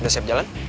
udah siap jalan